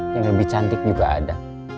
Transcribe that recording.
yang lebih cantik juga ada